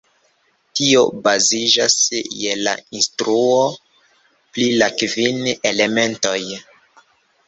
Tio baziĝas je la instruo pri la kvin elementoj.